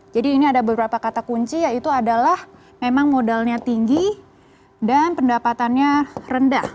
jadi ini ada beberapa kata kunci yaitu adalah memang modalnya tinggi dan pendapatannya rendah